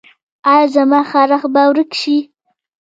ایا زما خارښ به ورک شي؟